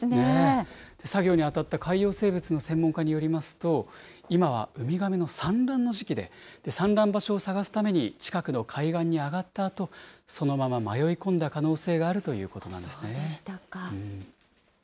作業に当たった海洋生物の専門家によりますと、今はウミガメの産卵の時期で、産卵場所を探すために、近くの海岸に上がったあと、そのまま迷い込んだ可能性がそうでしたか。